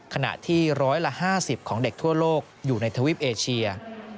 ขณะที่ร้อยละ๕๐ของเด็กทั่วโลกอยู่ในทวีปเอเชีย